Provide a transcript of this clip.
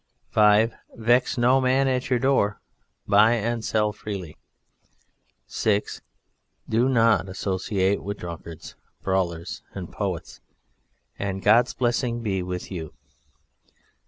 5. Vex no man at your door; buy and sell freely. 6. Do not associate with Drunkards, Brawlers and Poets; and God's blessing be with you.